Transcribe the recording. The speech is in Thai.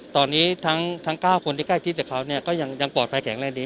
ตอนนี้ทั้งทั้งเก้าคนที่ใกล้ชิดกับเขาเนี้ยก็ยังยังปลอดภัยแข็งแรงดี